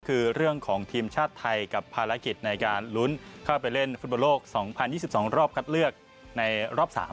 คือเรื่องของทีมชาติไทยกับภารกิจในการลุ้นเข้าไปเล่นฟุตบอลโลก๒๐๒๒รอบคัดเลือกในรอบ๓